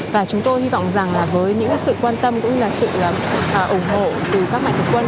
và chúng tôi hy vọng rằng với những sự quan tâm cũng như là sự ủng hộ từ các mạnh thực quân